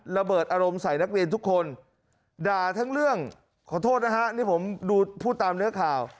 ระเบิดอารมณ์ใส่นักเรียนทุกคนด่าทั้งเรื่องขอโทษนะฮะนี่ผมดูพูดตามเนื้อข่าว